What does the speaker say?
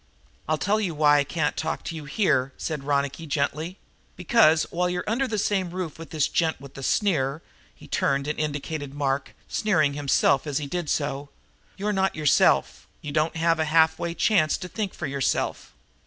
"I'll tell you why I can't talk to you in here," said Ronicky gently. "Because, while you're under the same roof with this gent with the sneer" he turned and indicated Mark, sneering himself as he did so "you're not yourself. You don't have a halfway chance to think for yourself.